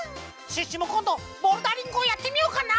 シュッシュもこんどボルダリングをやってみようかな？